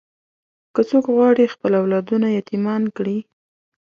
که څوک غواړي خپل اولادونه یتیمان کړي.